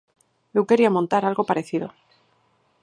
Eu quería montar algo parecido.